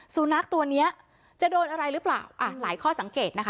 สุนัขตัวเนี้ยจะโดนอะไรหรือเปล่าอ่ะหลายข้อสังเกตนะคะ